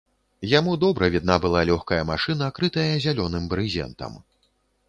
Яму добра відна была лёгкая машына, крытая зялёным брызентам.